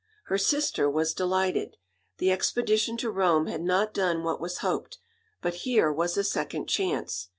Her sister was delighted. The expedition to Rome had not done what was hoped, but here was a second chance.